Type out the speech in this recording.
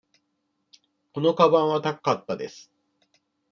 このかばんは高かったです。